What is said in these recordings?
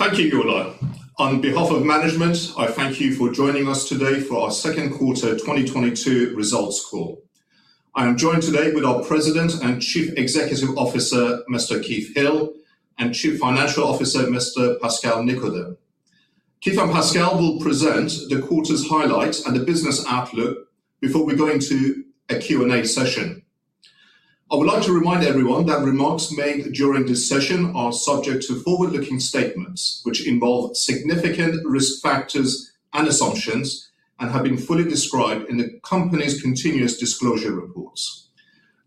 Thank you, Guler. On behalf of management, I thank you for joining us today for our second quarter 2022 results call. I am joined today with our President and Chief Executive Officer, Mr. Keith Hill, and Chief Financial Officer, Mr. Pascal Nicodeme. Keith and Pascal will present the quarter's highlights and the business outlook before we go into a Q&A session. I would like to remind everyone that remarks made during this session are subject to forward-looking statements which involve significant risk factors and assumptions and have been fully described in the company's continuous disclosure reports.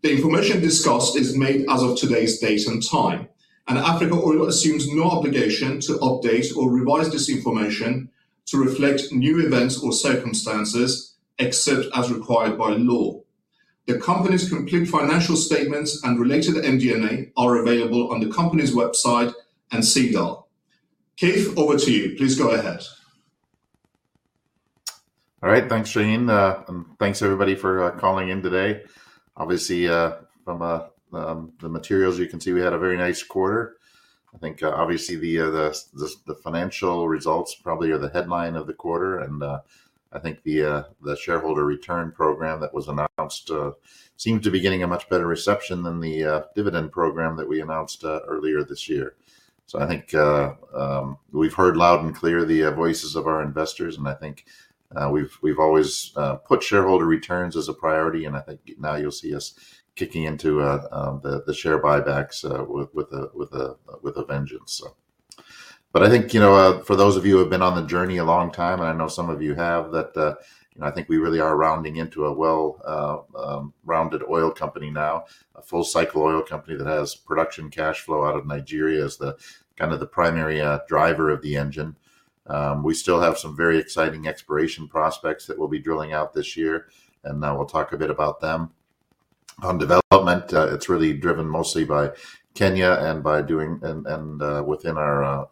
The information discussed is made as of today's date and time, and Africa Oil assumes no obligation to update or revise this information to reflect new events or circumstances except as required by law. The company's complete financial statements and related MD&A are available on the company's website and SEDAR. Keith, over to you. Please go ahead. All right. Thanks, Shahin. And thanks everybody for calling in today. Obviously, from the materials you can see we had a very nice quarter. I think, obviously the financial results probably are the headline of the quarter, and I think the shareholder return program that was announced seemed to be getting a much better reception than the dividend program that we announced earlier this year. I think we've heard loud and clear the voices of our investors, and I think we've always put shareholder returns as a priority, and I think now you'll see us kicking into the share buybacks with a vengeance. I think, you know, for those of you who have been on the journey a long time, and I know some of you have, that, you know, I think we really are rounding into a well-rounded oil company now. A full cycle oil company that has production cash flow out of Nigeria as the kind of the primary driver of the engine. We still have some very exciting exploration prospects that we'll be drilling this year, and I will talk a bit about them. On development, it's really driven mostly by Kenya and within our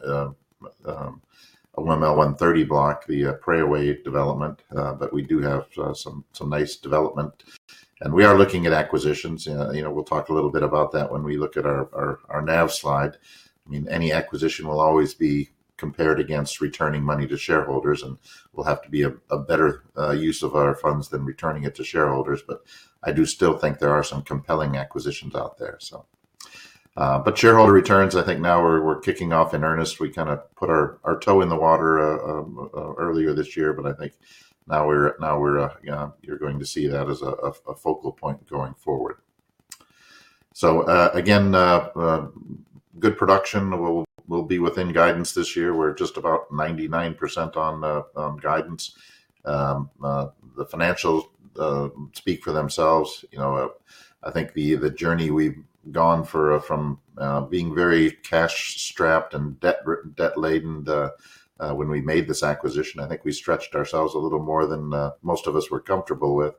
OML 130 block, the Preowei development, but we do have some nice development. We are looking at acquisitions. You know, we'll talk a little bit about that when we look at our NAV slide. I mean, any acquisition will always be compared against returning money to shareholders and will have to be a better use of our funds than returning it to shareholders. I do still think there are some compelling acquisitions out there. Shareholder returns, I think now we're kicking off in earnest. We kind of put our toe in the water earlier this year, but I think now we're you know, you're going to see that as a focal point going forward. Good production. We'll be within guidance this year. We're just about 99% on guidance. The financials speak for themselves. You know, I think the journey we've gone for from being very cash strapped and debt laden when we made this acquisition, I think we stretched ourselves a little more than most of us were comfortable with.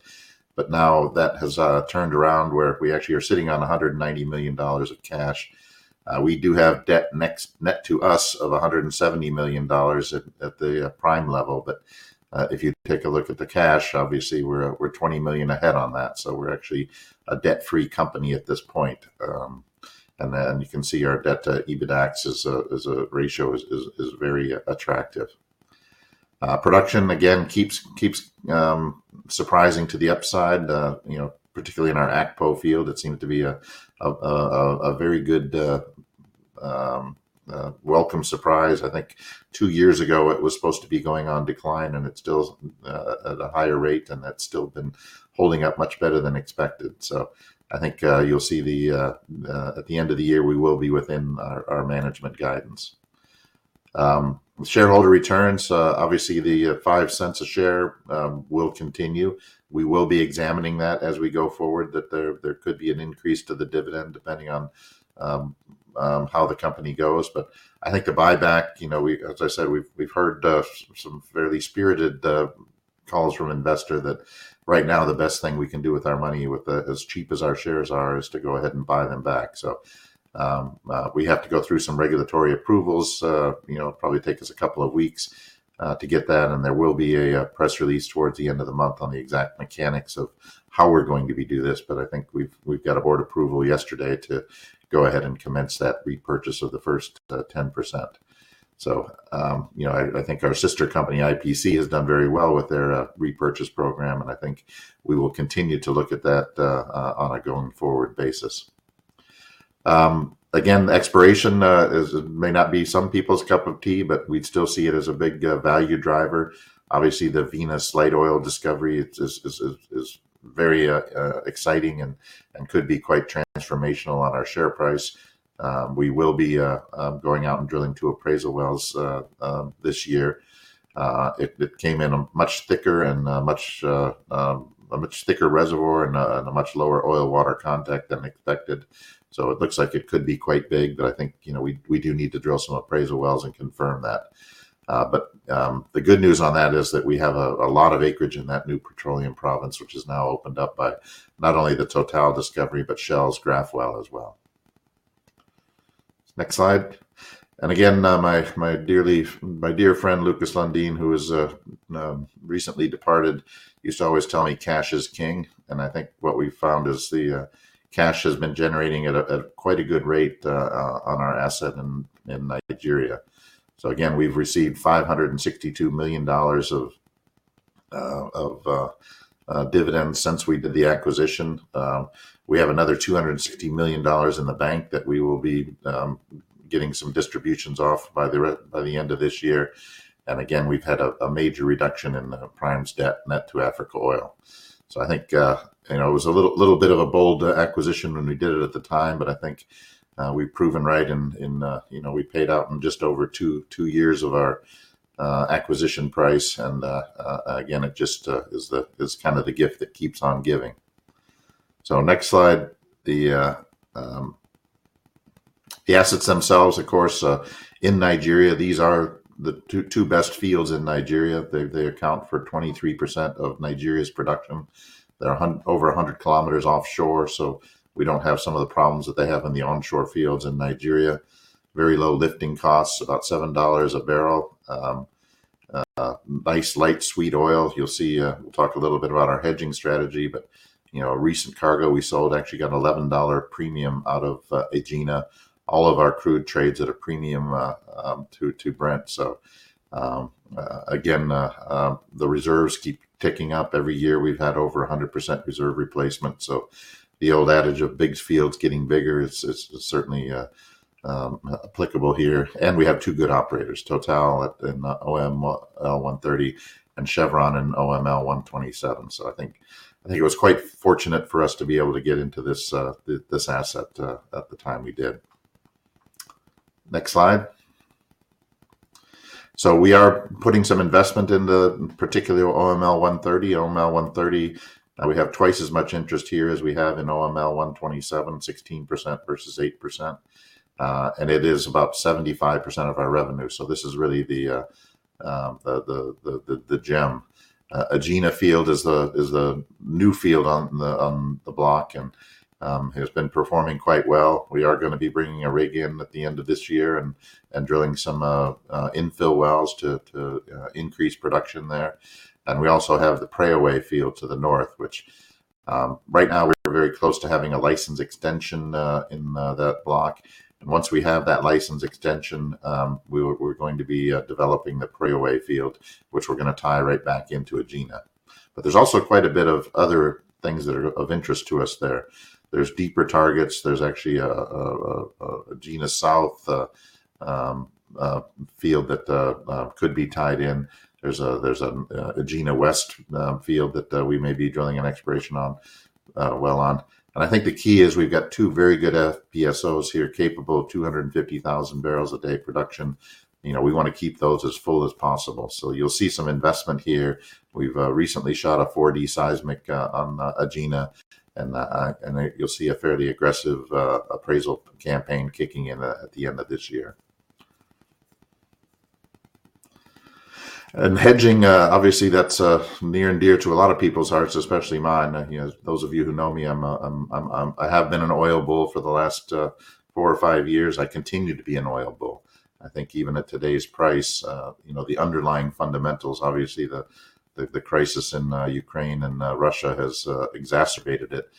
Now that has turned around where we actually are sitting on $190 million of cash. We do have debt net to us of $170 million at the Prime level. If you take a look at the cash, obviously we're $20 million ahead on that, so we're actually a debt-free company at this point. Then you can see our debt-to-EBITDAX ratio is very attractive. Production, again keeps surprising to the upside, you know, particularly in our Akpo field. It seemed to be a very good welcome surprise. I think two years ago it was supposed to be going on decline, and it's still at a higher rate, and that's still been holding up much better than expected. I think you'll see at the end of the year, we will be within our management guidance. Shareholder returns, obviously the $0.05 a share will continue. We will be examining that as we go forward. There could be an increase to the dividend depending on how the company goes. I think the buyback, you know, we as I said, we've heard some fairly spirited calls from investors that right now the best thing we can do with our money, with as cheap as our shares are, is to go ahead and buy them back. We have to go through some regulatory approvals. You know, it'll probably take us a couple of weeks to get that, and there will be a press release towards the end of the month on the exact mechanics of how we're going to do this. I think we've got a board approval yesterday to go ahead and commence that repurchase of the first 10%. You know, I think our sister company, IPC, has done very well with their repurchase program, and I think we will continue to look at that on a going forward basis. Again, exploration may not be some people's cup of tea, but we'd still see it as a big value driver. Obviously, the Venus light oil discovery is very exciting and could be quite transformational on our share price. We will be going out and drilling two appraisal wells this year. It came in a much thicker reservoir and a much lower oil-water contact than expected. It looks like it could be quite big, but I think, you know, we do need to drill some appraisal wells and confirm that. But the good news on that is that we have a lot of acreage in that new petroleum province, which is now opened up by not only the Total discovery, but Shell's Graff well as well. Next slide. Again, my dear friend Lukas Lundin, who has recently departed, used to always tell me cash is king. I think what we've found is the cash has been generating at quite a good rate on our asset in Nigeria. Again, we've received $562 million of dividends since we did the acquisition. We have another $260 million in the bank that we will be getting some distributions of by the end of this year. We've had a major reduction in Prime's debt net to Africa Oil. I think you know, it was a little bit of a bold acquisition when we did it at the time, but I think we've proven right, you know, we paid out in just over two years of our acquisition price. Again, it just is kind of the gift that keeps on giving. Next slide, the assets themselves. Of course, in Nigeria, these are the two best fields in Nigeria. They account for 23% of Nigeria's production. They're over 100 km offshore, so we don't have some of the problems that they have in the onshore fields in Nigeria. Very low lifting costs, about $7 a barrel. Nice light sweet oil. You'll see, we'll talk a little bit about our hedging strategy, but, you know, recent cargo we sold actually got an $11 premium out of Egina. All of our crude trades at a premium to Brent. The reserves keep ticking up every year. We've had over 100% reserve replacement. The old adage of big fields getting bigger, it's certainly applicable here. We have two good operators, TotalEnergies in OML 130 and Chevron in OML 127. I think it was quite fortunate for us to be able to get into this asset at the time we did. Next slide. We are putting some investment into particularly OML 130. OML 130, we have twice as much interest here as we have in OML 127, 16% versus 8%. It is about 75% of our revenue. This is really the gem. Egina field is the new field on the block and has been performing quite well. We are gonna be bringing a rig in at the end of this year and drilling some infill wells to increase production there. We also have the Preowei field to the north, which right now we're very close to having a license extension in that block. Once we have that license extension, we're going to be developing the Preowei field, which we're gonna tie right back into Egina. There's also quite a bit of other things that are of interest to us there. There's deeper targets. There's actually a Egina South field that could be tied in. There's a Egina West field that we may be drilling an exploration well on. I think the key is we've got two very good FPSOs here capable of 250,000 bpd production. You know, we wanna keep those as full as possible. You'll see some investment here. We've recently shot a 4D seismic on Egina, and you'll see a fairly aggressive appraisal campaign kicking in at the end of this year. Hedging, obviously, that's near and dear to a lot of people's hearts, especially mine. You know, those of you who know me, I have been an oil bull for the last four or five years. I continue to be an oil bull. I think even at today's price, you know, the underlying fundamentals, obviously the crisis in Ukraine and Russia has exacerbated it.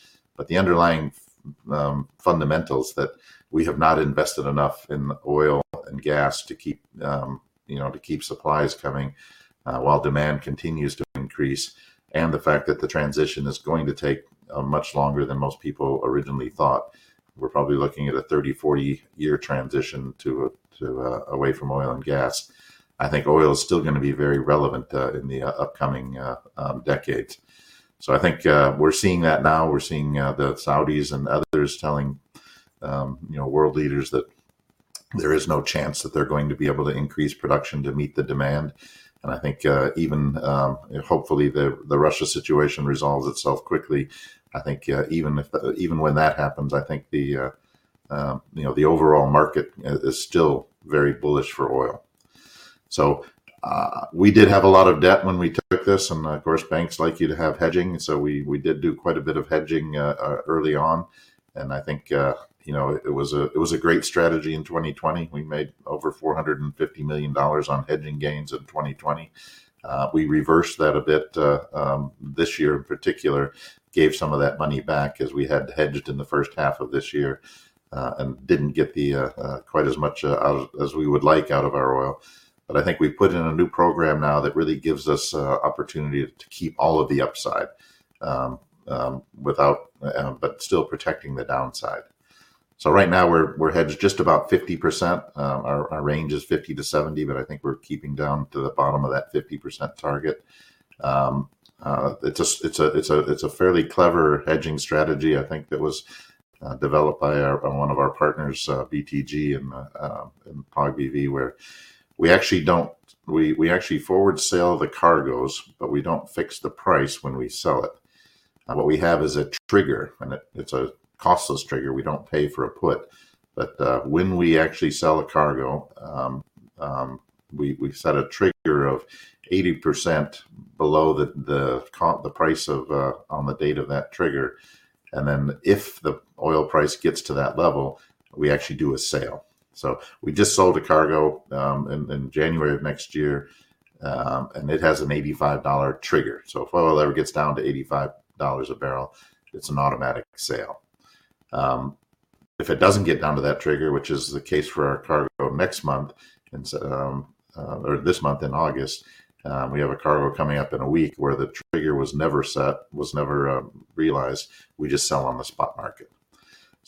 The underlying fundamentals that we have not invested enough in oil and gas to keep, you know, supplies coming while demand continues to increase, and the fact that the transition is going to take much longer than most people originally thought. We're probably looking at a 30-, 40-year transition to away from oil and gas. I think oil is still gonna be very relevant in the upcoming decades. I think we're seeing that now. We're seeing the Saudis and others telling, you know, world leaders that there is no chance that they're going to be able to increase production to meet the demand. I think even hopefully the Russia situation resolves itself quickly. I think even when that happens, I think, you know, the overall market is still very bullish for oil. We did have a lot of debt when we took [this], and of course, banks like you to have hedging. We did do quite a bit of hedging early on, and I think, you know, it was a great strategy in 2020. We made over $450 million on hedging gains in 2020. We reversed that a bit this year in particular, gave some of that money back as we had hedged in the first half of this year, and didn't get quite as much out as we would like out of our oil. I think we've put in a new program now that really gives us opportunity to keep all of the upside without but still protecting the downside. Right now we're hedged just about 50%. Our range is 50%-70%, but I think we're keeping down to the bottom of that 50% target. It's a fairly clever hedging strategy, I think, that was developed by one of our partners, BTG and POGBV, where we actually forward sell the cargos, but we don't fix the price when we sell it. What we have is a trigger, and it's a costless trigger. We don't pay for a put. When we actually sell the cargo, we set a trigger of 80% below the price on the date of that trigger. Then if the oil price gets to that level, we actually do a sale. We just sold a cargo in January of next year, and it has an $85 trigger. If oil ever gets down to $85 a barrel, it's an automatic sale. If it doesn't get down to that trigger, which is the case for our cargo next month or this month in August, we have a cargo coming up in a week where the trigger was never set, was never realized, we just sell on the spot market.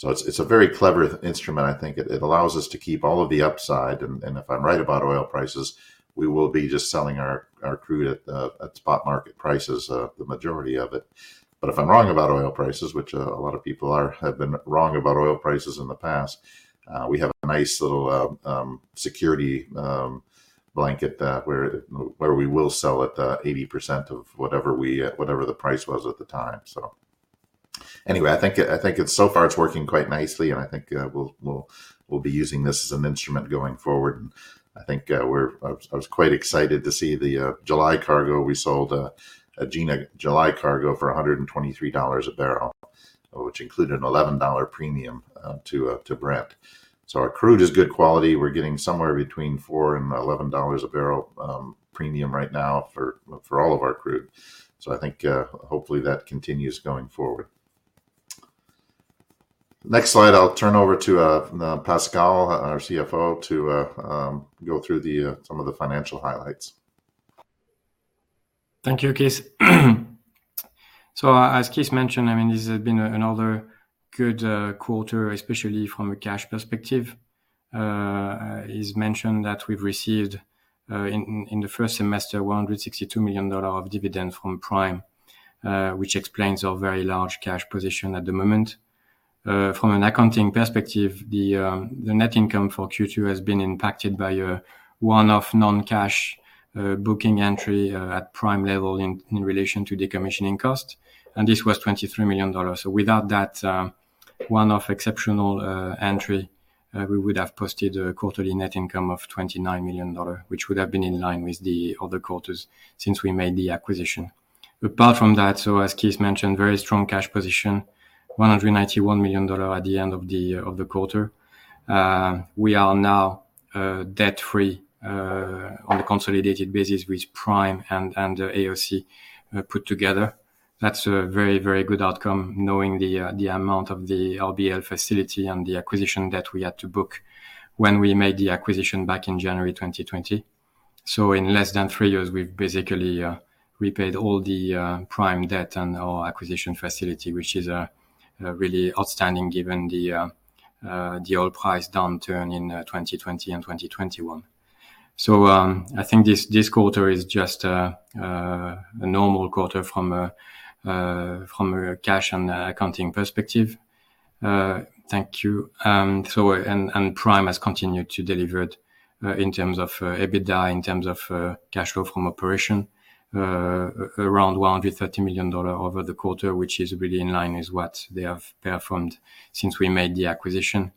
It's a very clever instrument. I think it allows us to keep all of the upside, and if I'm right about oil prices, we will be just selling our crude at spot market prices, the majority of it. If I'm wrong about oil prices, which a lot of people have been wrong about oil prices in the past, we have a nice little security blanket that where we will sell at 80% of whatever the price was at the time. Anyway, I think it's so far it's working quite nicely, and I think we'll be using this as an instrument going forward. I was quite excited to see the July cargo. We sold a Egina July cargo for $123 a barrel, which included an $11 premium to Brent. Our crude is good quality. We're getting somewhere between $4 and $11 a barrel premium right now for all of our crude. I think hopefully that continues going forward. Next slide, I'll turn over to Pascal, our CFO, to go through some of the financial highlights. Thank you, Keith. As Keith mentioned, I mean, this has been another good quarter, especially from a cash perspective. He's mentioned that we've received in the first semester $162 million of dividend from Prime, which explains our very large cash position at the moment. From an accounting perspective, the net income for Q2 has been impacted by a one-off non-cash booking entry at Prime level in relation to decommissioning costs, and this was $23 million. Without that one-off exceptional entry, we would have posted a quarterly net income of $29 million, which would have been in line with the other quarters since we made the acquisition. Apart from that, as Keith mentioned, very strong cash position, $191 million at the end of the quarter. We are now debt-free on a consolidated basis with Prime and the AOC put together. That's a very, very good outcome knowing the amount of the RBL facility and the acquisition debt we had to book when we made the acquisition back in January 2020. In less than three years, we've basically repaid all the Prime debt and our acquisition facility, which is really outstanding given the oil price downturn in 2020 and 2021. I think this quarter is just a normal quarter from a cash and accounting perspective. Thank you. Prime has continued to deliver it in terms of EBITDA, in terms of cash flow from operation around $130 million over the quarter, which is really in line with what they have performed since we made the acquisition.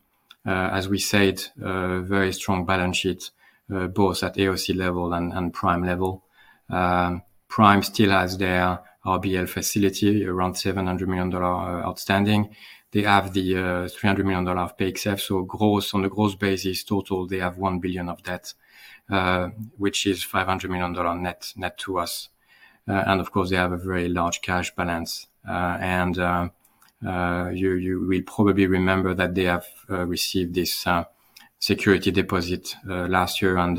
As we said, a very strong balance sheet both at AOC level and Prime level. Prime still has their RBL facility around $700 million outstanding. They have the $300 million of PXF. Gross, on a gross basis total, they have $1 billion of debt, which is $500 million net to us. Of course, they have a very large cash balance. You will probably remember that they have received this security deposit last year, and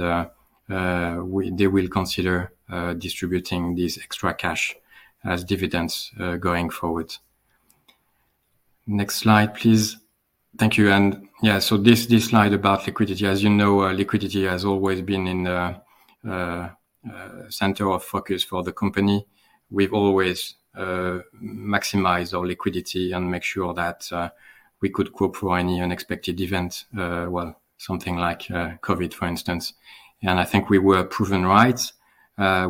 they will consider distributing this extra cash as dividends going forward. Next slide, please. Thank you. This slide about liquidity. As you know, liquidity has always been in the center of focus for the company. We've always maximized our liquidity and make sure that we could go through any unexpected event, well, something like COVID, for instance. I think we were proven right.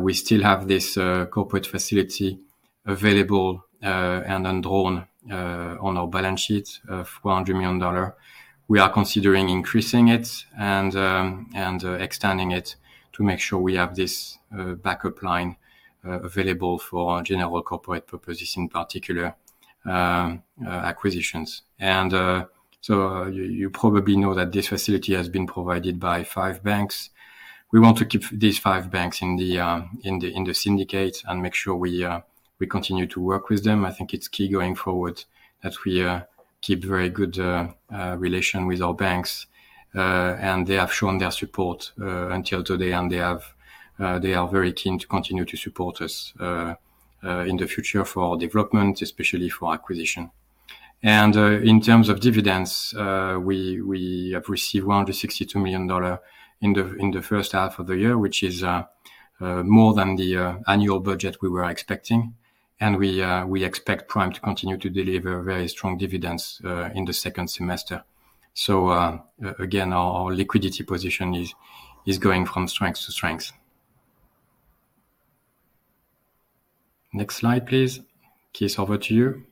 We still have this corporate facility available and undrawn on our balance sheet of $400 million. We are considering increasing it and extending it to make sure we have this backup line available for general corporate purposes, in particular, acquisitions. You probably know that this facility has been provided by five banks. We want to keep these five banks in the syndicate and make sure we continue to work with them. I think it's key going forward that we keep very good relations with our banks. They have shown their support until today, and they are very keen to continue to support us in the future for our development, especially for acquisition. In terms of dividends, we have received $162 million in the first half of the year, which is more than the annual budget we were expecting. We expect Prime to continue to deliver very strong dividends in the second semester. Again, our liquidity position is going from strength to strength. Next slide, please. Keith, over to you.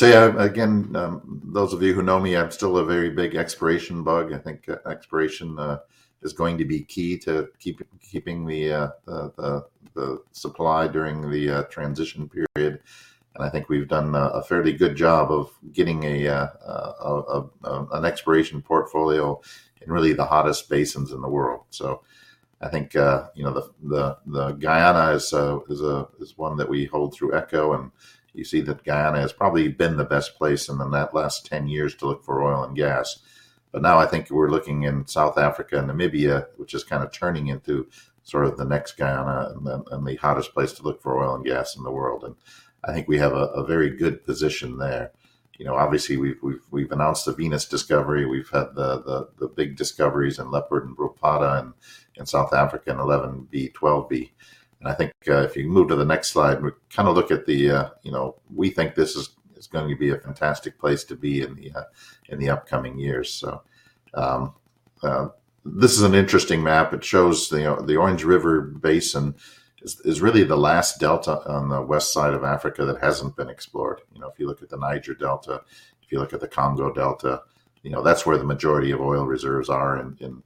Yeah, again, those of you who know me, I'm still a very big exploration bug. I think exploration is going to be key to keeping the supply during the transition period. I think we've done a fairly good job of getting an exploration portfolio in really the hottest basins in the world. I think, you know, the Guyana is one that we hold through Eco, and you see that Guyana has probably been the best place in the past 10 years to look for oil and gas. Now I think we're looking in South Africa and Namibia, which is kind of turning into sort of the next Guyana and the hottest place to look for oil and gas in the world. I think we have a very good position there. You know, obviously, we've announced the Venus discovery. We've had the big discoveries in Luiperd and Brulpadda in South Africa, and 11B/12B. I think if you move to the next slide, we kind of look at you know, we think this is going to be a fantastic place to be in the upcoming years. This is an interesting map. It shows the Orange Basin is really the last delta on the west side of Africa that hasn't been explored. You know, if you look at the Niger Delta, if you look at the Congo delta, you know, that's where the majority of oil reserves are in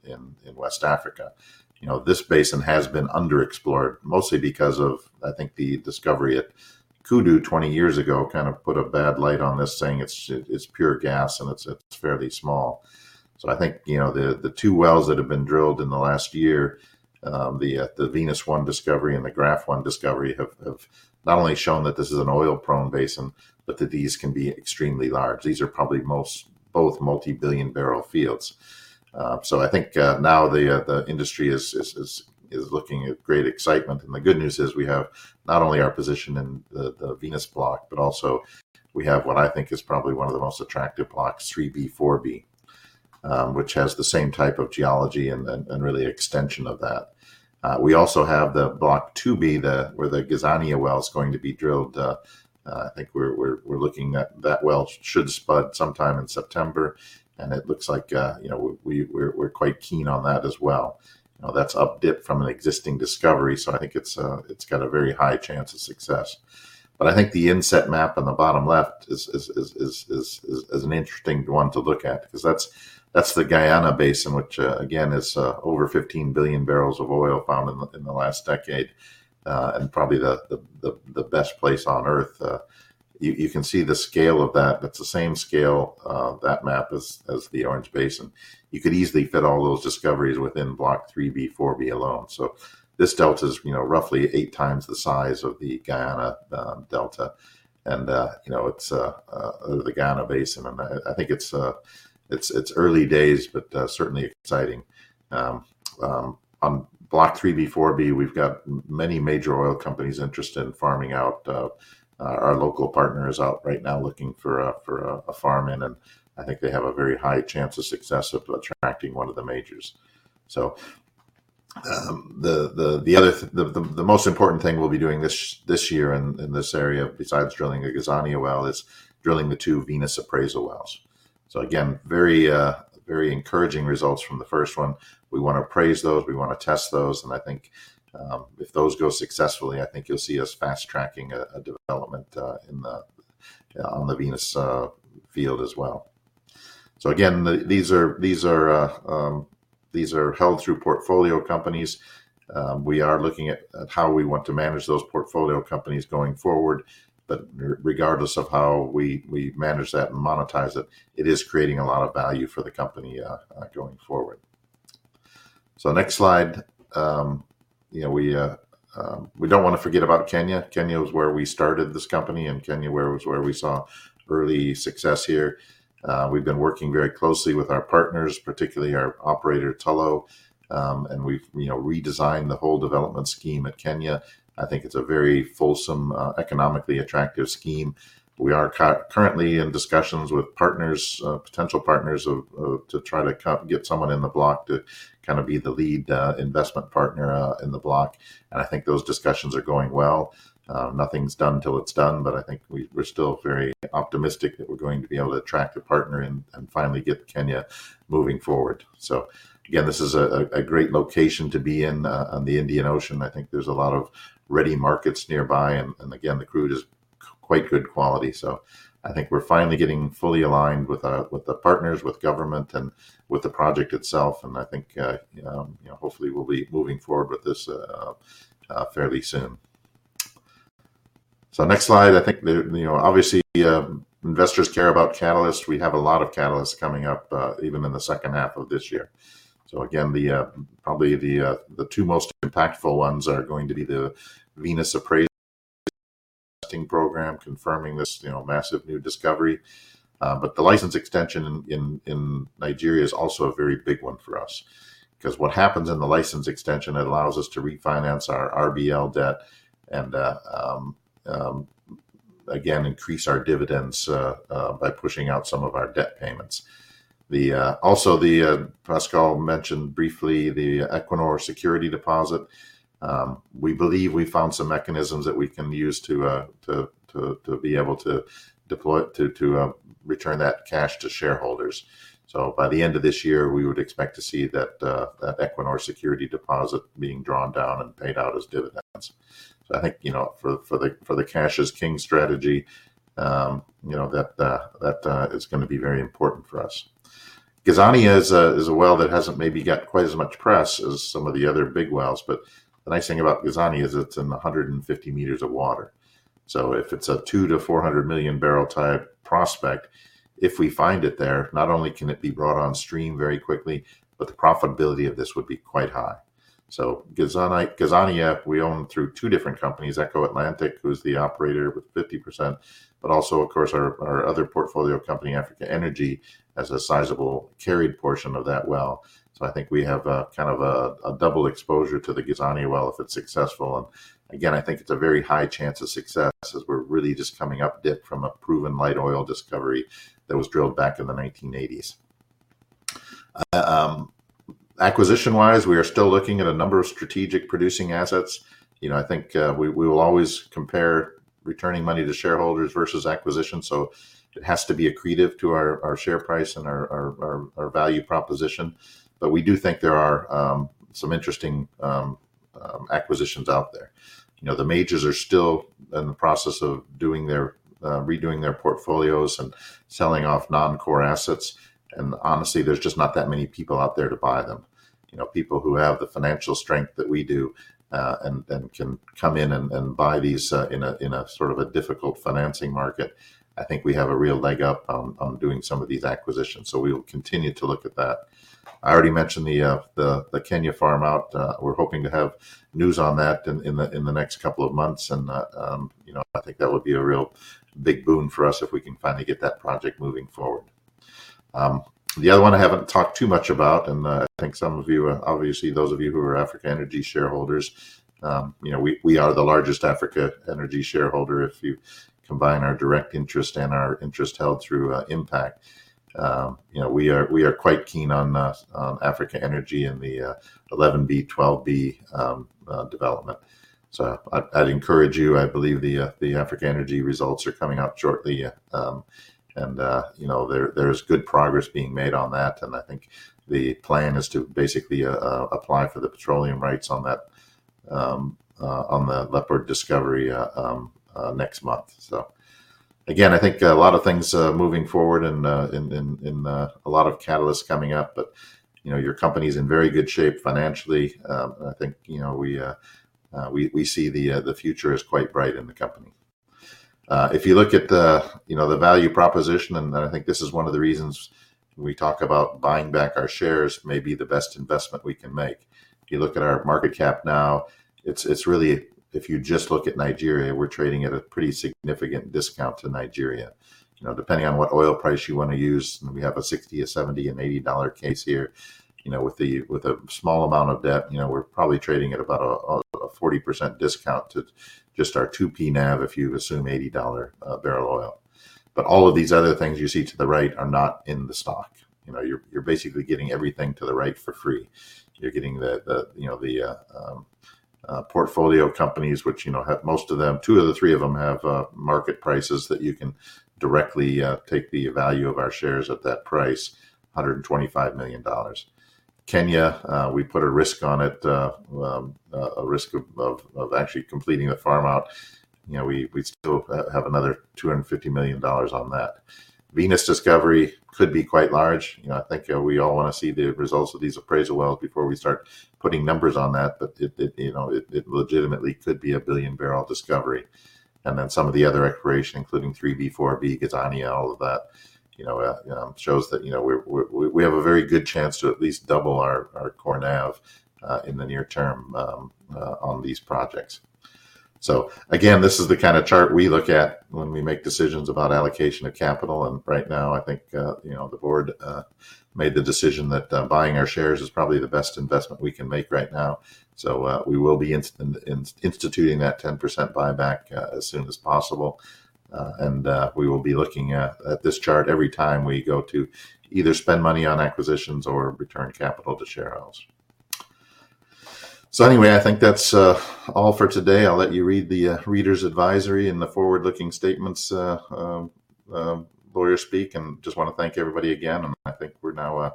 West Africa. You know, this basin has been underexplored mostly because of, I think, the discovery at Kudu 20 years ago kind of put a bad light on this, saying it's pure gas and it's fairly small. I think, you know, the two wells that have been drilled in the last year, the Venus-1 discovery and the Graff-1 discovery, have not only shown that this is an oil-prone basin but that these can be extremely large. These are probably both multi-billion-barrel fields. I think now the industry is looking at great excitement. The good news is we have not only our position in the Venus block, but also we have what I think is probably one of the most attractive blocks, Block 3B/4B, which has the same type of geology and really an extension of that. We also have Block 2B, where the Gazania well is going to be drilled. I think we're looking at that well should spud sometime in September, and it looks like we're quite keen on that as well. That's an updip from an existing discovery, so I think it's got a very high chance of success. I think the inset map on the bottom left is an interesting one to look at because that's the Guyana Basin, which again is over 15 billion barrels of oil found in the last decade, and probably the best place on Earth. You can see the scale of that. That's the same scale that map as the Orange Basin. You could easily fit all those discoveries within Block 3B/4B alone. So this delta is, you know, roughly 8x the size of the Guyana delta. And, you know, it's the Guyana Basin. And I think it's early days but certainly exciting. On Block 3B/4B, we've got many major oil companies interested in farming out. Our local partner is out right now looking for a farm-in, and I think they have a very high chance of success of attracting one of the majors. The most important thing we'll be doing this year in this area besides drilling a Gazania well is drilling the two Venus appraisal wells. Again, very encouraging results from the first one. We wanna appraise those, we wanna test those, and I think if those go successfully, I think you'll see us fast-tracking a development in the Venus field as well. Again, these are held through portfolio companies. We are looking at how we want to manage those portfolio companies going forward. Regardless of how we manage that and monetize it, it is creating a lot of value for the company going forward. Next slide. You know, we don't wanna forget about Kenya. Kenya was where we started this company, and Kenya was where we saw early success here. We've been working very closely with our partners, particularly our operator, Tullow, and we've, you know, redesigned the whole development scheme at Kenya. I think it's a very fulsome, economically attractive scheme. We are currently in discussions with partners, potential partners, to try to get someone in the block to kind of be the lead investment partner in the block. I think those discussions are going well. Nothing's done till it's done, but I think we're still very optimistic that we're going to be able to attract a partner and finally get Kenya moving forward. Again, this is a great location to be in on the Indian Ocean. I think there's a lot of ready markets nearby. Again, the crude is quite good quality. I think we're finally getting fully aligned with the partners, with government, and with the project itself. I think you know, hopefully we'll be moving forward with this fairly soon. Next slide. I think you know, obviously, investors care about catalysts. We have a lot of catalysts coming up even in the second half of this year. Again, probably the two most impactful ones are going to be the Venus [appraisal testing] program confirming this, you know, massive new discovery. The license extension in Nigeria is also a very big one for us. Because what happens in the license extension, it allows us to refinance our RBL debt and again increase our dividends by pushing out some of our debt payments. Pascal mentioned briefly the Equinor security deposit. We believe we found some mechanisms that we can use to be able to return that cash to shareholders. By the end of this year, we would expect to see that Equinor security deposit being drawn down and paid out as dividends. I think, you know, for the cash is king strategy, that is gonna be very important for us. Gazania is a well that hasn't maybe got quite as much press as some of the other big wells, but the nice thing about Gazania is it's in 150 m of water. If it's a 200 million-400 million-barrel type prospect, if we find it there, not only can it be brought on stream very quickly, but the profitability of this would be quite high. Gazania, we own through two different companies, Eco Atlantic, who's the operator with 50%, but also, of course, our other portfolio company, Africa Energy, has a sizable carried portion of that well. I think we have a double exposure to the Gazania well if it's successful. Again, I think it's a very high chance of success as we're really just coming updip from a proven light oil discovery that was drilled back in the 1980s. Acquisition-wise, we are still looking at a number of strategic producing assets. You know, I think we will always compare returning money to shareholders versus acquisition, so it has to be accretive to our share price and our value proposition. We do think there are some interesting acquisitions out there. You know, the majors are still in the process of redoing their portfolios and selling off non-core assets. Honestly, there's just not that many people out there to buy them. You know, people who have the financial strength that we do and can come in and buy these, in a sort of a difficult financing market, I think we have a real leg up on doing some of these acquisitions. We will continue to look at that. I already mentioned the Kenya farm-out. We're hoping to have news on that in the next couple of months. You know, I think that would be a real big boon for us if we can finally get that project moving forward. The other one I haven't talked too much about, and I think some of you, obviously those of you who are Africa Energy shareholders, you know, we are the largest Africa Energy shareholder if you combine our direct interest and our interest held through Impact. You know, we are quite keen on Africa Energy and the 11B/12B development. I'd encourage you. I believe the Africa Energy results are coming out shortly. You know, there's good progress being made on that. I think the plan is to basically apply for the petroleum rights on the Luiperd discovery next month. Again, I think a lot of things moving forward and a lot of catalysts coming up. You know, your company's in very good shape financially. I think, you know, we see the future as quite bright in the company. If you look at, you know, the value proposition, and I think this is one of the reasons we talk about buying back our shares may be the best investment we can make. If you look at our market cap now, it's really, if you just look at Nigeria, we're trading at a pretty significant discount to Nigeria. You know, depending on what oil price you wanna use, we have a $60, a $70, an $80 case here, you know, with a small amount of debt, you know, we're probably trading at about a 40% discount to just our 2P NAV if you assume $80 barrel oil. All of these other things you see to the right are not in the stock. You know, you're basically getting everything to the right for free. You're getting the, you know, the portfolio companies, which, you know, most of them, two of the three of them, have market prices that you can directly take the value of our shares at that price, $125 million. Kenya, we put a risk on it, a risk of actually completing the farm-out. You know, we still have another $250 million on that. Venus discovery could be quite large. You know, I think we all wanna see the results of these appraisal wells before we start putting numbers on that. It legitimately could be a billion-barrel discovery. Some of the other exploration, including 3B/4B, Gazania, all of that, you know, shows that, you know, we have a very good chance to at least double our core NAV in the near term on these projects. Again, this is the kind of chart we look at when we make decisions about allocation of capital. Right now, I think, you know, the board made the decision that buying our shares is probably the best investment we can make right now. We will be instituting that 10% buyback as soon as possible. We will be looking at this chart every time we go to either spend money on acquisitions or return capital to shareholders. Anyway, I think that's all for today. I'll let you read the reader's advisory and the forward-looking statements lawyer speak and just wanna thank everybody again, and I think we're now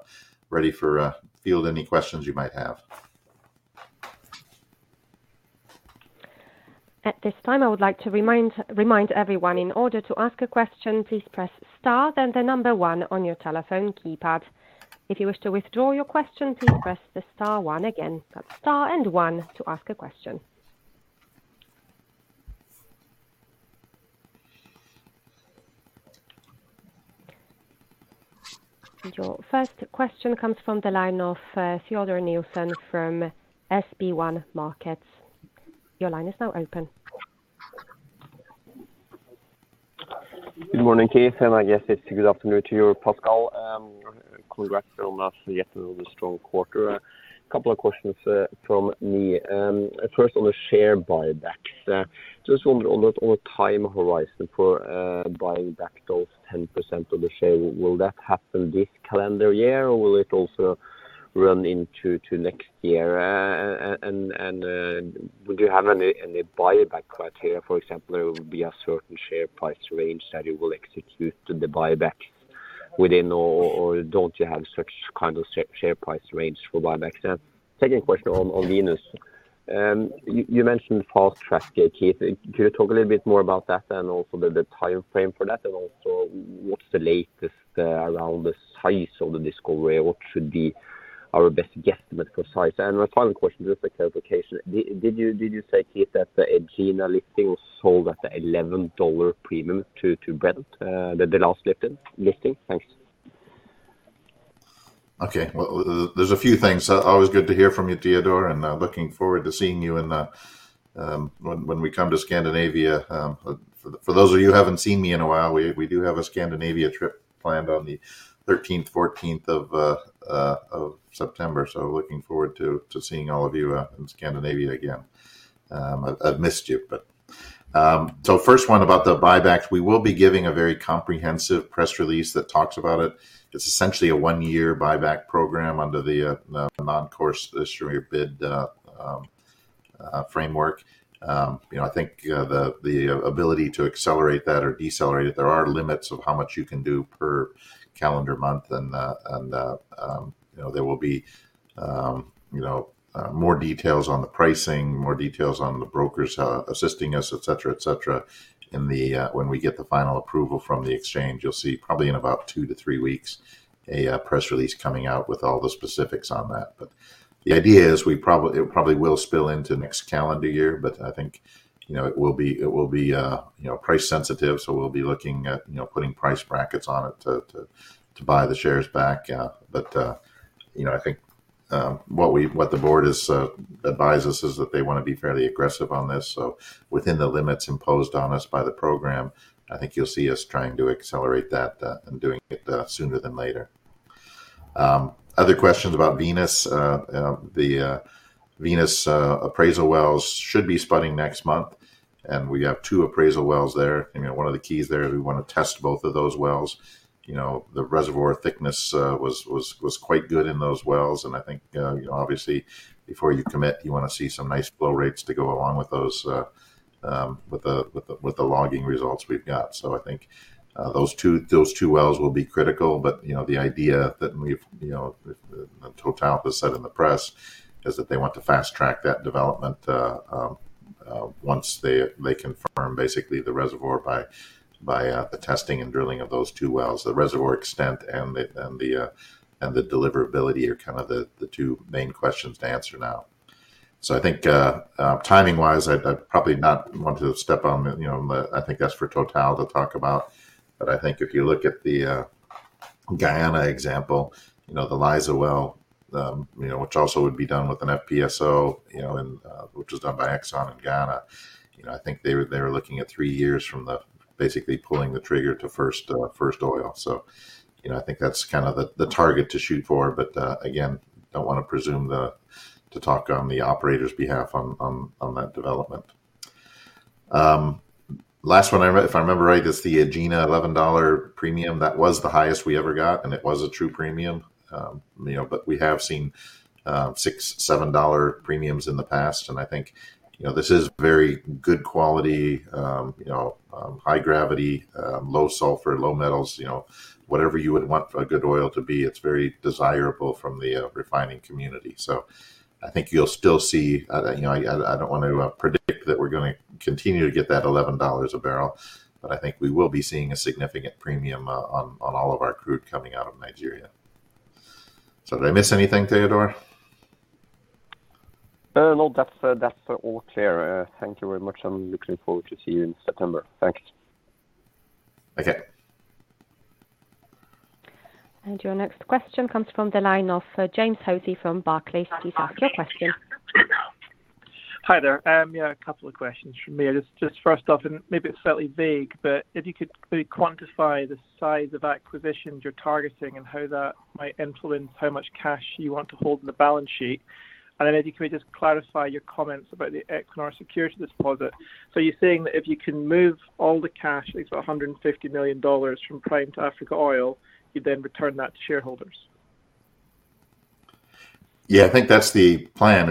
ready to field any questions you might have. At this time, I would like to remind everyone, in order to ask a question, please press star then the number one on your telephone keypad. If you wish to withdraw your question, please press the star one again. Press star and one to ask a question. Your first question comes from the line of Teodor Sveen-Nilsen from SpareBank 1 Markets. Your line is now open. Good morning, Keith, and I guess it's a good afternoon to you, Pascal. Congrats on yet another strong quarter. A couple of questions from me. First, on the share buyback, just on the time horizon for buying back those 10% of the share. Will that happen this calendar year, or will it also run into next year? Would you have any buyback criteria? For example, there would be a certain share price range that you will execute the buybacks within? Or don't you have such kind of share price range for buybacks? Second question, on Venus. You mentioned fast track here, Keith. Could you talk a little bit more about that and also the timeframe for that? Also what's the latest around the size of the discovery? What should be our best guesstimate for size? My final question, just for clarification. Did you say, Keith, that the Egina lifting was sold at the $11 premium to Brent, the last lifting? Thanks. Okay. Well, there's a few things. Always good to hear from you, Teodor, and looking forward to seeing you when we come to Scandinavia. For those of you who haven't seen me in a while, we do have a Scandinavia trip planned on the 13th, 14th of September. Looking forward to seeing all of you in Scandinavia again. I've missed you, but first one, about the buybacks. We will be giving a very comprehensive press release that talks about it. It's essentially a one-year buyback program under the normal course issuer bid framework. You know, I think the ability to accelerate that or decelerate it, there are limits of how much you can do per calendar month. You know, there will be more details on the pricing, more details on the brokers assisting us, et cetera, et cetera in the when we get the final approval from the exchange. You'll see probably in about two-three weeks a press release coming out with all the specifics on that. The idea is it probably will spill into next calendar year, but I think, you know, it will be price sensitive. We'll be looking at, you know, putting price brackets on it to buy the shares back. You know, I think what the board has advised us is that they wanna be fairly aggressive on this. Within the limits imposed on us by the program, I think you'll see us trying to accelerate that and doing it sooner than later. Other question is about Venus. The Venus appraisal wells should be spudding next month. We have two appraisal wells there. You know, one of the keys there, we wanna test both of those wells. You know, the reservoir thickness was quite good in those wells. I think, obviously before you commit, you wanna see some nice flow rates to go along with those with the logging results we've got. I think those two wells will be critical. You know, the idea that we've you know and TotalEnergies has said in the press is that they want to fast-track that development once they confirm basically the reservoir by the testing and drilling of those two wells. The reservoir extent and the deliverability are kind of the two main questions to answer now. I think, timing-wise, I'd probably not want to step on, you know, I think that's for TotalEnergies to talk about. I think if you look at the Guyana example, you know, the Liza well, you know, which also would be done with an FPSO, you know, and which was done by ExxonMobil in Guyana. You know, I think they were looking at three years from basically pulling the trigger to first oil. You know, I think that's kind of the target to shoot for but, again, don't wanna presume to talk on the operator's behalf on that development. If I remember right, the last one is the Egina $11 premium. That was the highest we ever got, and it was a true premium. You know, we have seen $6, $7 premiums in the past. I think, you know, this is very good quality, you know, high gravity, low sulfur, low metals, you know, whatever you would want a good oil to be. It's very desirable from the refining community. I think you'll still see, you know, I don't want to predict that we're gonna continue to get that $11 a barrel. I think we will be seeing a significant premium on all of our crude coming out of Nigeria. Did I miss anything, Teodor? No. That's all clear. Thank you very much. I'm looking forward to see you in September. Thank you. Okay. Your next question comes from the line of James Hosie from Barclays. Please ask your question. Hi there. Yeah, a couple of questions from me. Just first off, and maybe it's slightly vague, but if you could really quantify the size of acquisitions you're targeting and how that might influence how much cash you want to hold in the balance sheet. Then if you could just clarify your comments about the Equinor security deposit. You're saying that if you can move all the cash, I think it's about $150 million, from Prime to Africa Oil, you'd then return that to shareholders. Yeah. I think that's the plan.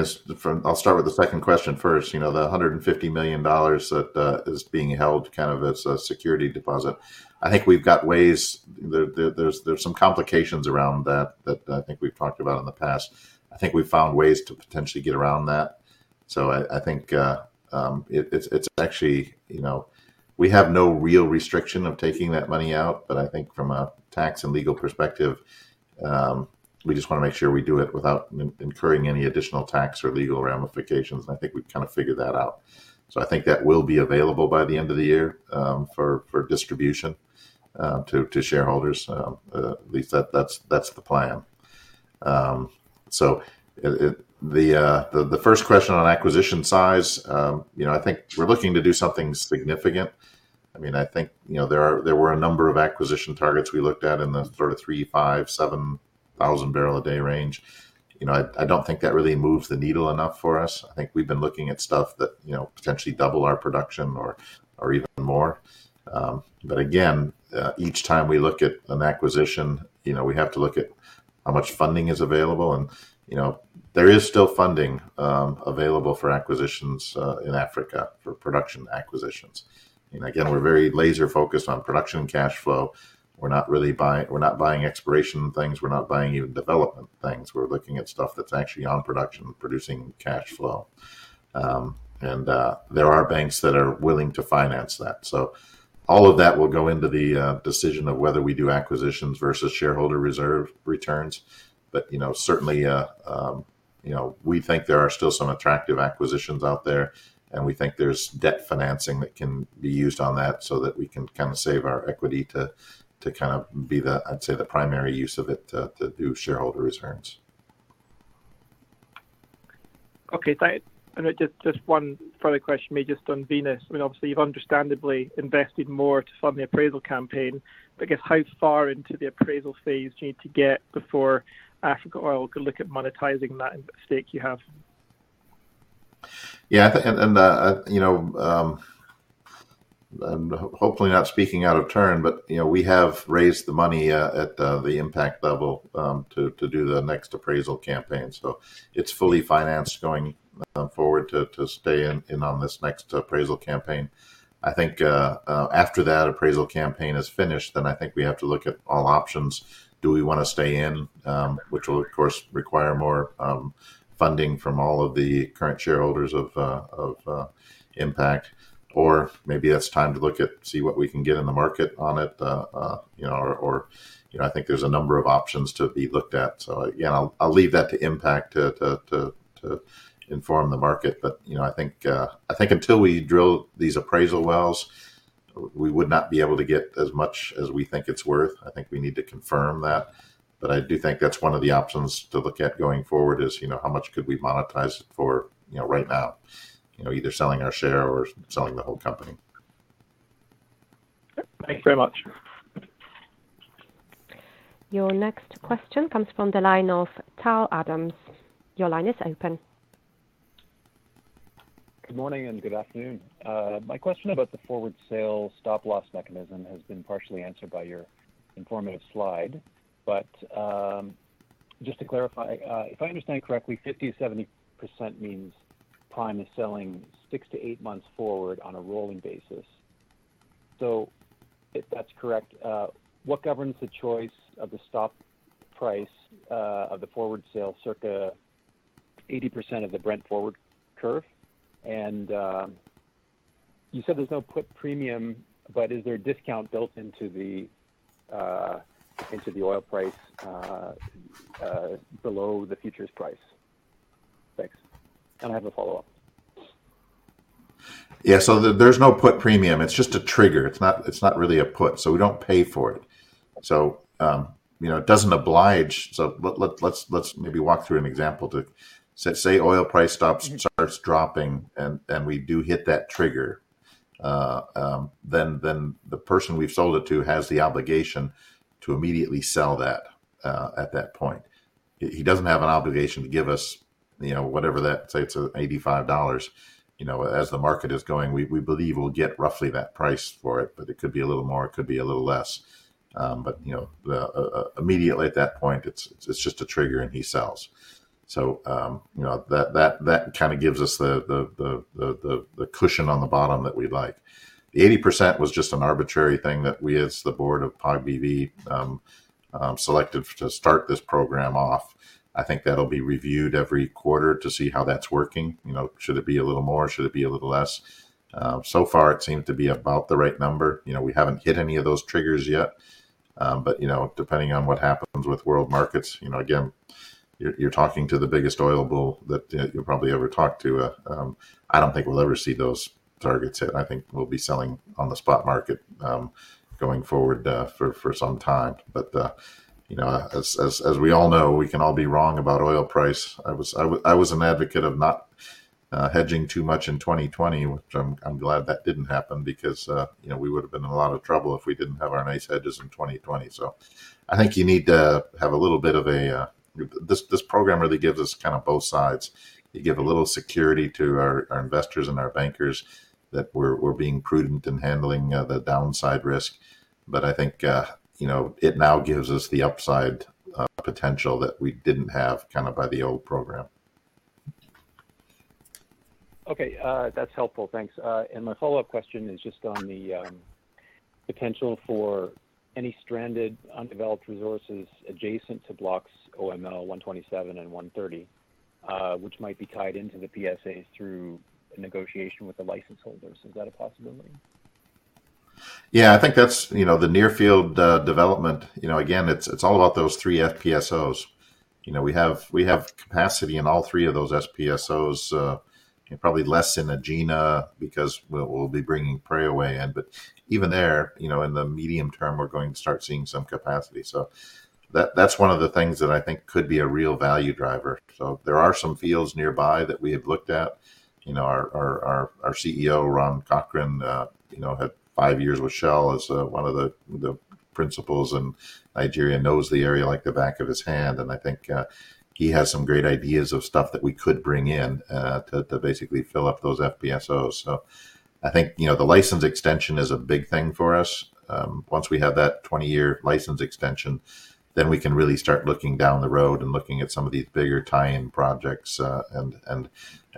I'll start with the second question first. You know, the $150 million, that is being held kind of as a security deposit. I think we've got ways. There's some complications around that that I think we've talked about in the past. I think we've found ways to potentially get around that. I think it's actually, you know, we have no real restriction of taking that money out. But I think from a tax and legal perspective, we just wanna make sure we do it without incurring any additional tax or legal ramifications, and I think we've kind of figured that out. I think that will be available by the end of the year for distribution to shareholders. At least that's the plan. The first question, on acquisition size. You know, I think we're looking to do something significant. I mean, I think, you know, there were a number of acquisition targets we looked at in the sort of 3,000, 5,000, 7,000 barrel a day range. You know, I don't think that really moves the needle enough for us. I think we've been looking at stuff that, you know, potentially double our production or even more. But again, each time we look at an acquisition, you know, we have to look at how much funding is available and, you know, there is still funding available for acquisitions in Africa for production acquisitions. Again, we're very laser-focused on production cash flow. We're not buying exploration things, we're not buying even development things. We're looking at stuff that's actually on production and producing cash flow. There are banks that are willing to finance that. All of that will go into the decision of whether we do acquisitions versus shareholder returns. Certainly, we think there are still some attractive acquisitions out there, and we think there's debt financing that can be used on that so that we can kind of save our equity to kind of be the, I'd say, the primary use of it to do shareholder returns. Okay. Just one further question, maybe just on Venus. I mean, obviously you've understandably invested more to fund the appraisal campaign, but I guess, how far into the appraisal phase do you need to get before Africa Oil can look at monetizing that stake you have? Hopefully, I'm not speaking out of turn, but you know, we have raised the money at the Impact level to do the next appraisal campaign. It's fully financed going forward to stay in on this next appraisal campaign. I think after that appraisal campaign is finished, I think we have to look at all options. Do we wanna stay in? Which will of course require more funding from all of the current shareholders of Impact. Maybe it's time to look to see what we can get in the market on it, you know. You know, I think there's a number of options to be looked at. Again, I'll leave that to Impact to inform the market. You know, I think, until we drill these appraisal wells, we would not be able to get as much as we think it's worth. I think we need to confirm that. I do think that's one of the options to look at going forward is, you know, how much could we monetize it for, you know, right now, you know, either selling our share or selling the whole company. Thank you very much. Your next question comes from the line of [Tal Adams]. Your line is open. Good morning and good afternoon. My question about the forward sale stop loss mechanism has been partially answered by your informative slide. Just to clarify, if I understand correctly, 50%-70% means Prime is selling six-eight months forward on a rolling basis. If that's correct, what governs the choice of the stop price of the forward sale, circa 80% of the Brent forward curve? You said there's no put premium, but is there discount built into the oil price below the futures price? Thanks. I have a follow-up. There's no put premium. It's just a trigger. It's not really a put, so we don't pay for it. You know, it doesn't oblige. Let's maybe walk through an example. Say oil price starts dropping and we do hit that trigger. Then the person we've sold it to has the obligation to immediately sell that at that point. He doesn't have an obligation to give us, you know, whatever that. Say it's $85, you know, as the market is going. We believe we'll get roughly that price for it, but it could be a little more, it could be a little less. But you know, immediately at that point, it's just a trigger and he sells. You know, that kind of gives us the cushion on the bottom that we'd like. The 80% was just an arbitrary thing that we as the board of POGBV selected to start this program off. I think that'll be reviewed every quarter to see how that's working. You know, should it be a little more? Should it be a little less? So far, it seemed to be about the right number. You know, we haven't hit any of those triggers yet. You know, depending on what happens with world markets, you know, again, you're talking to the biggest oil bull that, you know, you'll probably ever talk to, I don't think we'll ever see those targets hit. I think we'll be selling on the spot market, going forward, for some time. You know, as we all know, we can all be wrong about oil price. I was an advocate of not hedging too much in 2020, which I'm glad that didn't happen because, you know, we would've been in a lot of trouble if we didn't have our nice hedges in 2020. I think you need to have a little bit of a this program really gives us kind of both sides. It'd give a little security to our investors and our bankers that we're being prudent in handling the downside risk. I think, you know, it now gives us the upside potential that we didn't have kind of by the old program. Okay. That's helpful. Thanks. My follow-up question is just on the potential for any stranded undeveloped resources adjacent to blocks OML 127 and 130 which might be tied into the PSAs through a negotiation with the license holders. Is that a possibility? Yeah, I think that's, you know, the near field development. You know, again, it's all about those three FPSOs. You know, we have capacity in all three of those FPSOs, probably less in Egina because we'll be bringing Preowei in. Even there, you know, in the medium term, we're going to start seeing some capacity. That's one of the things that I think could be a real value driver. There are some fields nearby that we have looked at. You know, our CEO, Ron Cochrane, you know, had five years with Shell as one of the principals and Nigeria and knows the area like the back of his hand. I think he has some great ideas of stuff that we could bring in to basically fill up those FPSOs. I think, you know, the license extension is a big thing for us. Once we have that 20-year license extension, then we can really start looking down the road and looking at some of these bigger tie-in projects and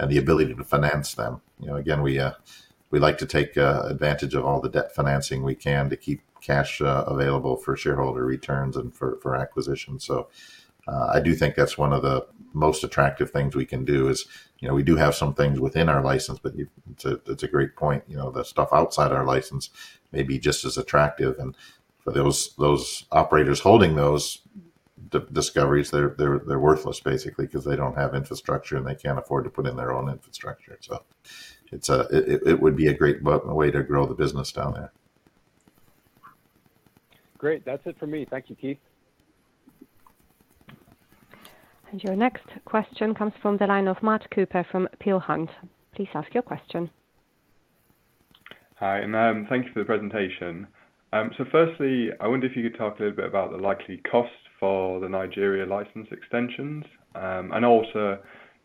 the ability to finance them. You know, again, we like to take advantage of all the debt financing we can to keep cash available for shareholder returns and for acquisitions. I do think that's one of the most attractive things we can do is, you know, we do have some things within our license, but it's a great point, you know. The stuff outside our license may be just as attractive. For those operators holding those discoveries, they're worthless basically because they don't have infrastructure and they can't afford to put in their own infrastructure. It would be a great way to grow the business down there. Great. That's it for me. Thank you, Keith. Your next question comes from the line of Matt Cooper from Peel Hunt. Please ask your question. Hi, thank you for the presentation. Firstly, I wonder if you could talk a little bit about the likely costs for the Nigeria license extensions. Also,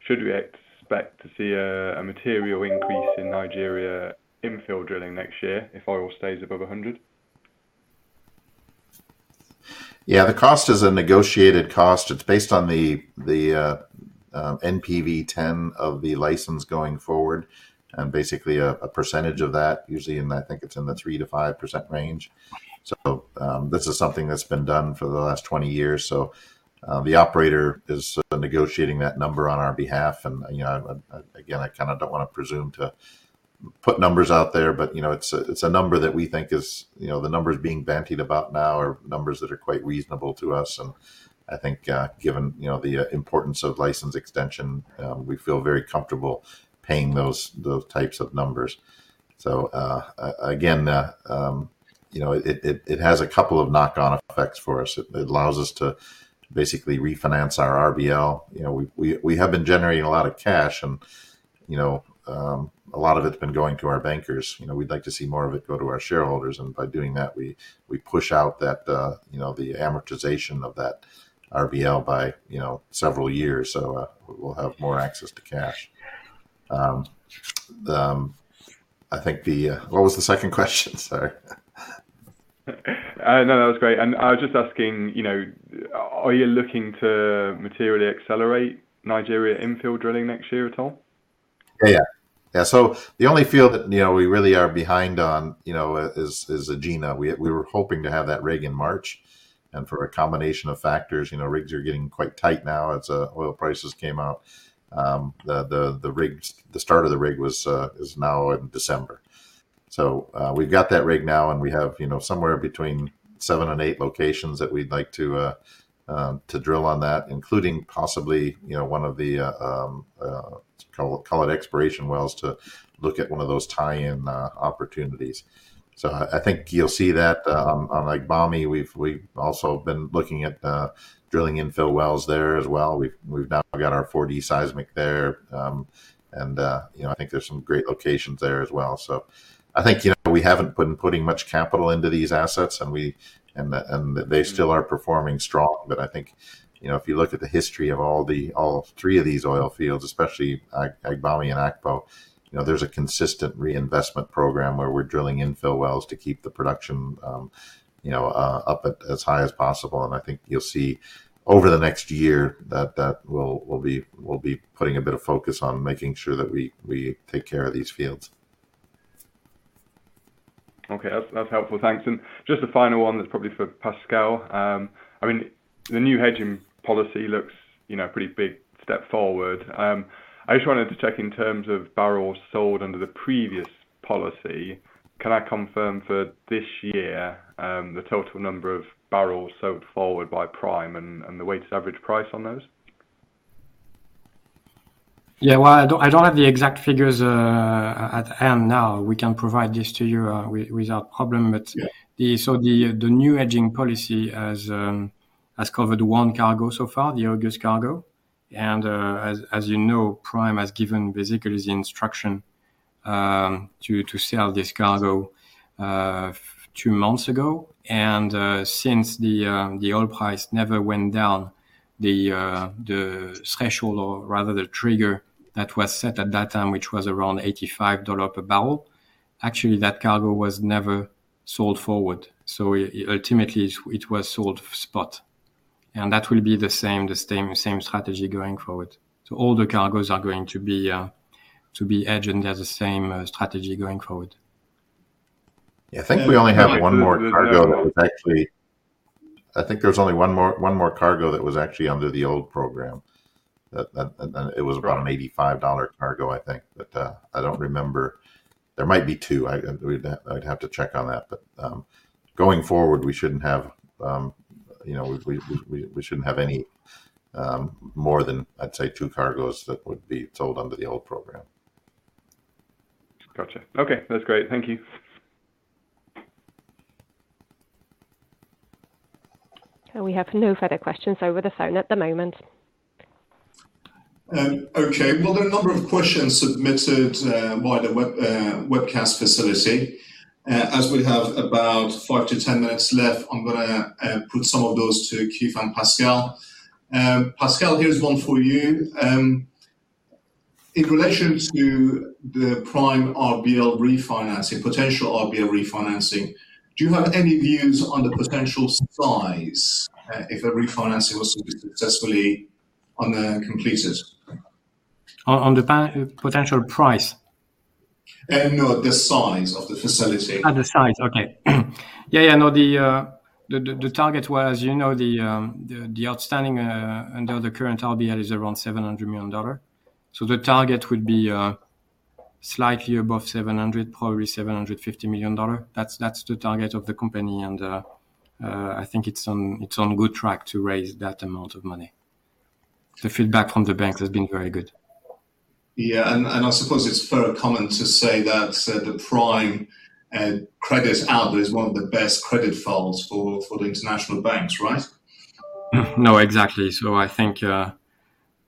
should we expect to see a material increase in Nigeria infill drilling next year if oil stays above $100? Yeah. The cost is a negotiated cost. It's based on the NPV10 of the license going forward, and basically a percentage of that, usually in the 3%-5% range. This is something that's been done for the last 20 years. The operator is negotiating that number on our behalf. You know, again, I kinda don't wanna presume to put numbers out there, but, you know, it's a number that we think is. You know, the numbers being bandied about now are numbers that are quite reasonable to us. I think, given, you know, the importance of license extension, we feel very comfortable paying those types of numbers. Again, you know, it has a couple of knock-on effects for us. It allows us to basically refinance our RBL. You know, we have been generating a lot of cash and, you know, a lot of it's been going to our bankers. You know, we'd like to see more of it go to our shareholders, and by doing that, we push out that, you know, the amortization of that RBL by, you know, several years so we'll have more access to cash. What was the second question? Sorry. No, that was great. I was just asking, you know, are you looking to materially accelerate Nigeria infill drilling next year at all? Yes. The only field that, you know, we really are behind on, you know, is Egina. We were hoping to have that rig in March, and for a combination of factors, you know, rigs are getting quite tight now as oil prices came up. The start of the rig is now in December. We got that rig now, and we have, you know, somewhere between seven and eight locations that we'd like to drill on that, including possibly, you know, one of the, call it, exploration wells to look at one of those tie-in opportunities. I think you'll see that on Agbami. We've also been looking at drilling infill wells there as well. We've now got our 4D seismic there, and you know, I think there's some great locations there as well. I think, you know, we haven't been putting much capital into these assets, and they still are performing strong. I think, you know, if you look at the history of all three of these oil fields, especially Agbami and Akpo, you know, there's a consistent reinvestment program where we're drilling infill wells to keep the production up as high as possible. I think you'll see over the next year that we'll be putting a bit of focus on making sure that we take care of these fields. Okay. That's helpful. Thanks. Just a final one that's probably for Pascal. I mean the new hedging policy looks, you know, pretty big step forward. I just wanted to check in terms of barrels sold under the previous policy. Can I confirm, for this year, the total number of barrels sold forward by Prime and the weighted average price on those? Yeah. Well, I don't have the exact figures at hand now. We can provide this to you without problem. Yeah. The new hedging policy has covered one cargo so far, the August cargo. As you know, Prime has given basically the instruction to sell this cargo two months ago. Since the oil price never went down the threshold or rather the trigger that was set at that time, which was around $85 per barrel, actually, that cargo was never sold forward. Ultimately, it was sold spot, and that will be the same strategy going forward. All the cargoes are going to be hedged under the same strategy going forward. Yeah. I think we only have one more cargo that was actually under the old program. I think there was only one more cargo that was actually under the old program. It was about an $85 cargo, I think. I don't remember. There might be two. I'd have to check on that. Going forward, we shouldn't have, you know, we shouldn't have any more than, I'd say, two cargoes that would be sold under the old program. Gotcha. Okay. That's great. Thank you. We have no further questions over the phone at the moment. Okay. Well, there are a number of questions submitted via the webcast facility. As we have about five-10 minutes left, I'm gonna put some of those to Keith and Pascal. Pascal, here's one for you. In relation to the Prime RBL refinancing, potential RBL refinancing, do you have any views on the potential size if a refinancing was to be successfully undertaken? On the potential price. No, the size of the facility. The size. The target was, you know, the outstanding under the current RBL is around $700 million. The target would be slightly above $700, probably $750 million. That's the target of the company and I think it's on good track to raise that amount of money. The feedback from the banks has been very good. Yeah. I suppose it's fair comment to say that the Prime credit output is one of the best credit files for the international banks, right? No, exactly. I think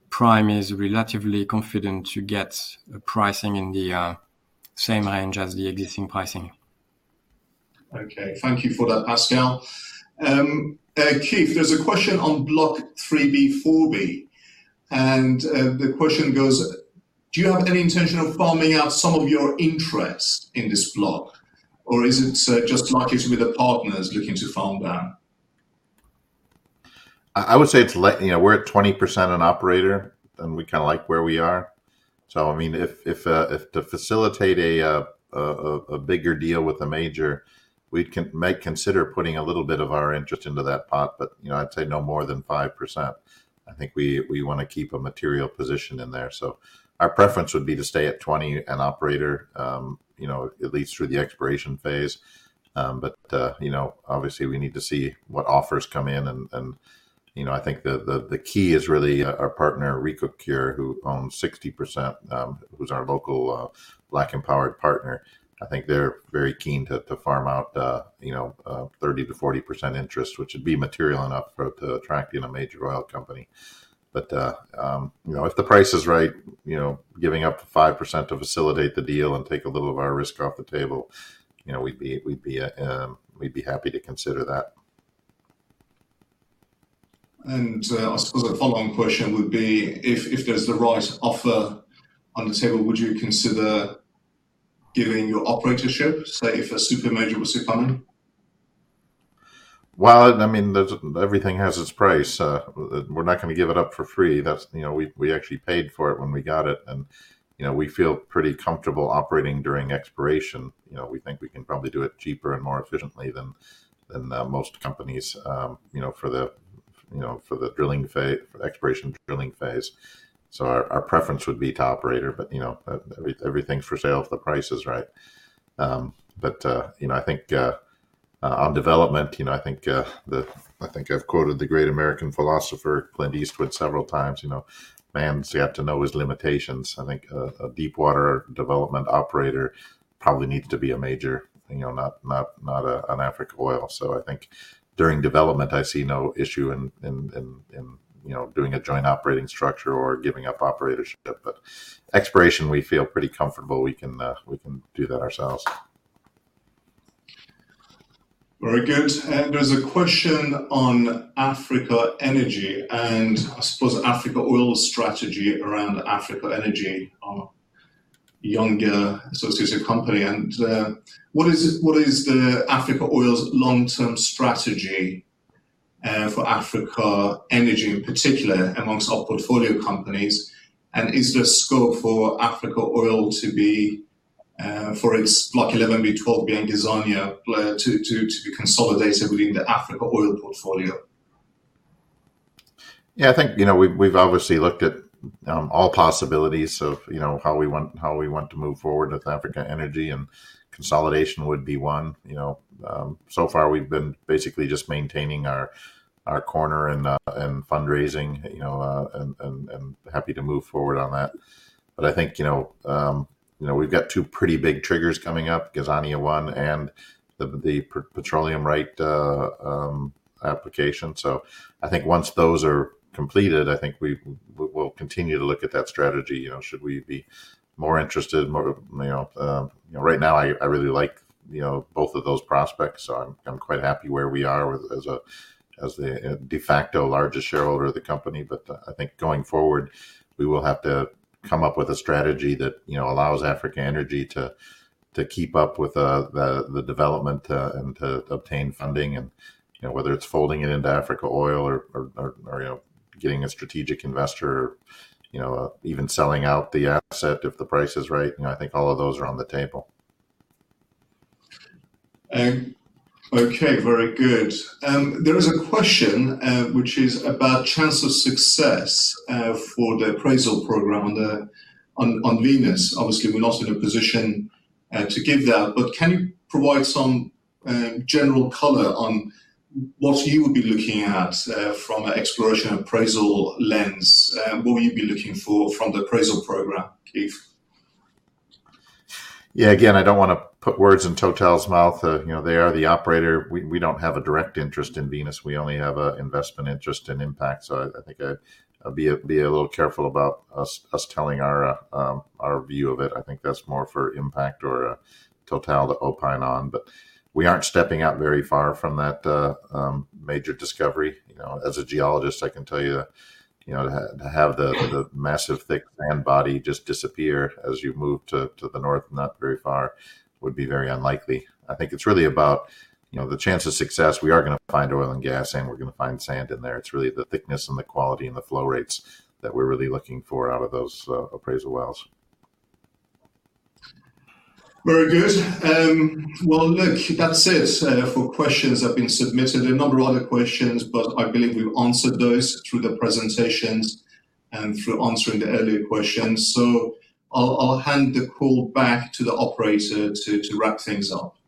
Prime is relatively confident to get a pricing in the same range as the existing pricing. Okay. Thank you for that, Pascal. Keith, there's a question on Block 3B/4B, and the question goes, "Do you have any intention of farming out some of your interest in this block? Or is it [just markets with the partners] looking to farm down? I would say, you know, we're at 20% an operator, and we kinda like where we are. I mean, if to facilitate a bigger deal with a major, we might consider putting a little bit of our interest into that pot but, you know, I'd say, no more than 5%. I think we wanna keep a material position in there. Our preference would be to stay at 20% an operator, you know, at least through the exploration phase. You know, obviously we need to see what offers come in. And you know, I think the key is really our partner, Ricocure, who owns 60%, who's our local black empowered partner. I think they're very keen to farm out 30%-40% interest, which would be material enough to attract a major oil company. If the price is right, you know, giving up 5% to facilitate the deal and take a little of our risk off the table, you know, we'd be happy to consider that. I suppose a follow-on question would be, if there's the right offer on the table, would you consider giving your operatorship, say, if a super major was to come in? Well, I mean, there's everything has its price. We're not gonna give it up for free. That's, you know, we actually paid for it when we got it, and, you know, we feel pretty comfortable operating during exploration. You know, we think we can probably do it cheaper and more efficiently than most companies, you know, for the exploration drilling phase. So our preference would be to operator, but, you know, everything's for sale if the price is right. But, you know, I think, on development, you know, I think the I think I've quoted the great American philosopher Clint Eastwood several times, you know, "Man's got to know his limitations." I think a deep water development operator probably needs to be a major, you know, not an Africa Oil. So I think, during development, I see no issue in, you know, doing a joint operating structure or giving up operatorship. Exploration, we feel pretty comfortable we can do that ourselves. Very good. There's a question on Africa Energy and, I suppose, Africa Oil's strategy around Africa Energy, our younger associated company. What is the Africa Oil's long-term strategy for Africa Energy in particular amongst our portfolio companies? Is there scope for Africa Oil to be, for its Block 11B/12B and Gazania player, to be consolidated within the Africa Oil portfolio? Yeah, I think, you know, we've obviously looked at all possibilities of, you know, how we want to move forward with Africa Energy. And consolidation would be one, you know. So far, we've been basically just maintaining our corner and fundraising, you know, and happy to move forward on that. I think, you know, we've got two pretty big triggers coming up, Gazania-1 and the petroleum right application. I think, once those are completed, I think we will continue to look at that strategy, you know, should we be more interested, more, you know. You know, right now I really like, you know, both of those prospects, so I'm quite happy where we are as the de facto largest shareholder of the company. I think, going forward, we will have to come up with a strategy that, you know, allows Africa Energy to keep up with the development and to obtain funding and, you know, whether it's folding it into Africa Oil or, you know, getting a strategic investor, you know, even selling out the asset if the price is right. You know, I think all of those are on the table. Okay. Very good. There is a question which is about chance of success for the appraisal program on Venus. Obviously, we're not in a position to give that. Can you provide some general color on what you would be looking at from an exploration appraisal lens? What would you be looking for from the appraisal program, Keith? Yeah, again, I don't wanna put words in Total's mouth. You know, they are the operator. We don't have a direct interest in Venus. We only have a investment interest in Impact. I think I'd be a little careful about us telling our view of it. I think that's more for Impact or Total to opine on. We aren't stepping out very far from that major discovery. You know, as a geologist, I can tell you that, you know, to have the massive, thick sand body just disappear as you move to the north, not very far, would be very unlikely. I think it's really about, you know, the chance of success, we are gonna find oil and gas and we're gonna find sand in there. It's really the thickness and the quality and the flow rates that we're really looking for out of those appraisal wells. Very good. Well, look, that's it for questions that have been submitted. There are a number of other questions, but I believe we've answered those through the presentations and through answering the earlier questions. I'll hand the call back to the operator to wrap things up.